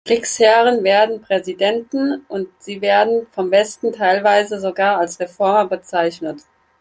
Kriegsherren werden Präsidenten, und sie werden vom Westen teilweise sogar als Reformer bezeichnet.